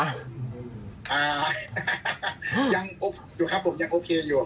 ยังโอเคอยู่ครับผมยังโอเคอยู่